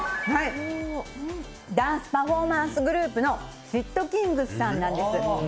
ダンスパフォーマンスグループのｓ＊＊ｔｋｉｎｇｚさんなんです。